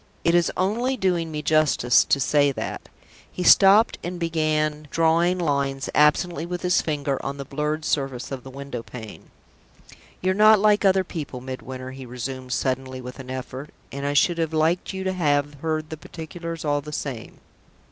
"It is only doing me justice to say that." He stopped and began drawing lines absently with his finger on the blurred surface of the window pane. "You're not like other people, Midwinter," he resumed, suddenly, with an effort; "and I should have liked you to have heard the particulars all the same."